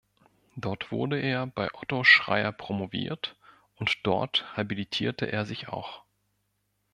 Dort wurde er bei Otto Schreier promoviert und dort habilitierte er sich auch.